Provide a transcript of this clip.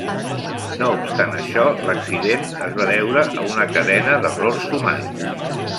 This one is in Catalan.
No obstant això, l'accident es va deure a una cadena d'errors humans.